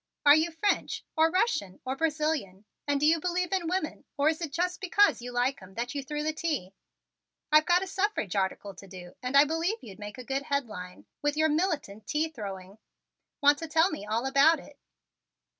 Are you French or Russian or Brazilian, and do you believe in women, or is it just because you like 'em that you threw the tea? I've got a suffrage article to do and I believe you'd make a good headline, with your militant tea throwing. Want to tell me all about it?"